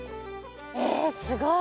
えすごい。